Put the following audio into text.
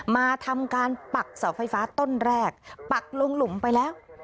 มาทำการปักเสาไฟฟ้าต้นแรกปักลงหลุมไปแล้ว